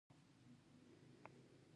دا د تاریخ نا اټکل شوی مسیر و.